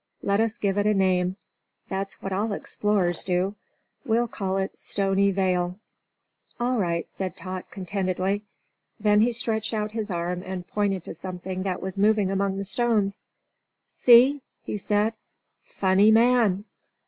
Let us give it a name. That's what all explorers do. We'll call it Stony Vale." "All right," said Tot, contentedly. Then he stretched out his arm and pointed to something that was moving among the stones. "See!" he said. "Funny man."